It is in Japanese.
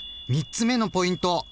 ３つ目のポイント